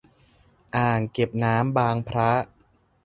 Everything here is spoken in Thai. อ่างเก็บน้ำบางพระ.